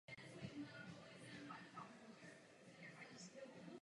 Postup je nutné koordinovat, výsledky pravidelně hodnotit.